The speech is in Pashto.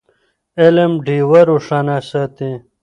علم ډېوه روښانه ساتي.